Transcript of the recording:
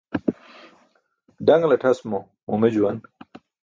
Ḍaṅltʰas mo mume juwan